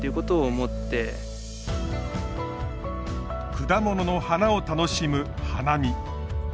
果物の花を楽しむ花見。